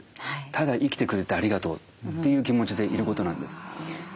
ただ生きてくれてありがとう」という気持ちでいることなんです。